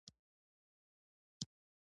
د امريکې پاليسي هم دا وه